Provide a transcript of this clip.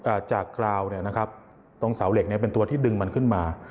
จากกราวเนี้ยนะครับตรงเสาเหล็กเนี้ยเป็นตัวที่ดึงมันขึ้นมา